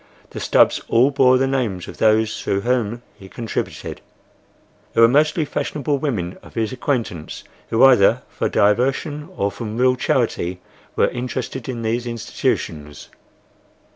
The stubs all bore the names of those through whom he contributed—they were mostly fashionable women of his acquaintance, who either for diversion or from real charity were interested in these institutions.